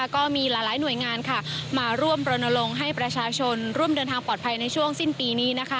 ก็มีหลายหน่วยงานมาร่วมรณรงค์ให้ประชาชนร่วมเดินทางปลอดภัยในช่วงสิ้นปีนี้